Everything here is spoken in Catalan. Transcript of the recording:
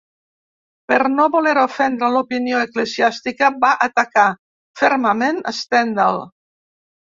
Per no voler ofendre l'opinió eclesiàstica, va atacar fermament Stendhal.